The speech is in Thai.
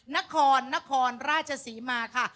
นครนครราชศรีมาค่ะ